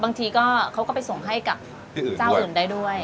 บางทีก็เขาก็ไปส่งให้กับเจ้าอื่นได้ด้วย